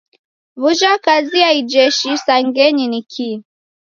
W'uja kazi ya ijeshi isangenyi ni kii?